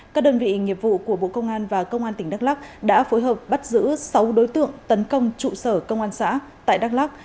các đơn vị nghiệp vụ của bộ công an và công an tỉnh đắk lắc đã phối hợp bắt giữ sáu đối tượng tấn công trụ sở công an xã tại đắk lắc